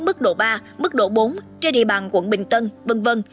mức độ ba mức độ bốn trên địa bàn quận bình tân v v